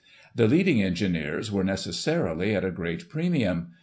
" The leading engineers were, necessarily, at a great pre mium.